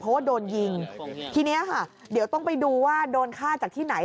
เพราะว่าโดนยิงทีเนี้ยค่ะเดี๋ยวต้องไปดูว่าโดนฆ่าจากที่ไหน